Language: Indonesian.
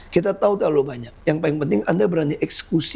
kita tahu terlalu banyak yang paling penting anda berani eksekusi